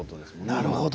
なるほど。